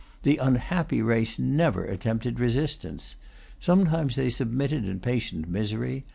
The unhappy race never attempted resistance. Sometimes they submitted in patient misery.